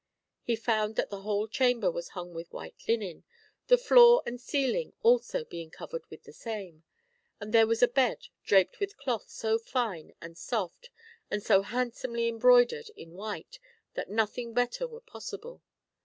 He found that the whole chamber was hung with white linen, the floor and ceiling also being covered with the same ; and there was a bed draped with cloth so fine and soft and so handsomely embroidered in white, that nothing better were possible.